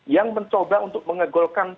yang mencoba untuk mengegolkan